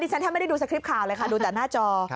ฉันแทบไม่ได้ดูสคริปข่าวเลยค่ะดูแต่หน้าจอ